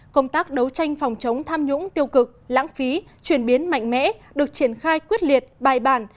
công tác đấu tranh phòng chống tham nhũng tiêu cực lãng phí chuyển biến mạnh mẽ được triển khai quyết liệt bài bản